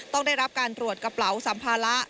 ต้องได้รับการตรวจกระเป๋าสัมภาระ